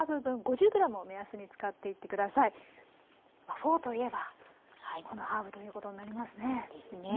フォーといえばこのハーブということになりますね。ですね。